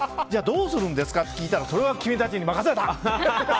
じゃあどうするんですかって聞いたらそれは君たちに任せた！って。